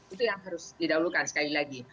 itu yang harus didahulukan sekali lagi